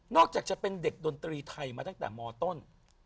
จากจะเป็นเด็กดนตรีไทยมาตั้งแต่มต้น